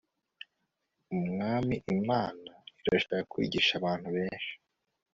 Umwami Imana arashaka kwigisha abantu benshi